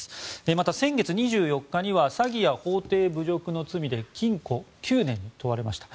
また、先月２４日には詐欺や法廷侮辱の罪で禁錮９年に問われました。